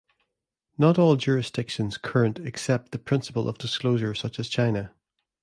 Not all jurisdictions current accept the principle of disclosure such as China.